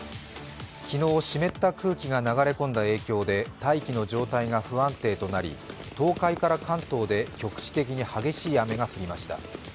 昨日、湿った空気が流れ込んだ影響で大気の状態が不安定となり東海から関東で局地的に激しい雨が降りました。